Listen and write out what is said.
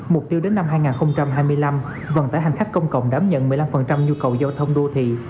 mục tiêu đến năm hai nghìn hai mươi năm vận tải hành khách công cộng đảm nhận một mươi năm nhu cầu giao thông đô thị